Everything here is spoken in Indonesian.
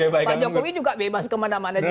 pak jokowi juga bebas kemana mana juga